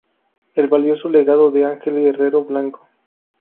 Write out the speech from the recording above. El valioso legado de Ángel Herrero Blanco".